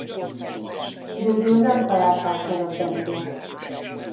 Végül nem találták meg a tengert.